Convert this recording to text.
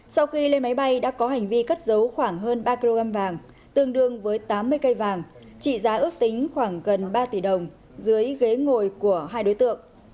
sau khi lên máy bay đã có hành vi cất dấu khoảng hơn ba kg vàng tương đương với tám mươi cây vàng trị giá ước tính khoảng gần ba tỷ đồng dưới ghế ngồi của hai đối tượng